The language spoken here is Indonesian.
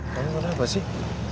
kamu kenapa sih